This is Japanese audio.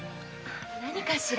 何かしら？